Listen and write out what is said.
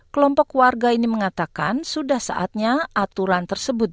kelompok warga ini mengatakan sudah saatnya aturan tersebut